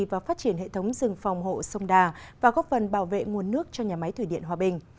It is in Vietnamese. và phát triển hệ thống rừng phòng hộ sông đà và góp phần bảo vệ nguồn nước cho nhà máy thủy điện hòa bình